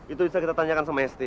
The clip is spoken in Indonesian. itu bisa kita tanyakan sama sti